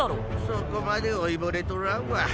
そこまで老いぼれとらんわ。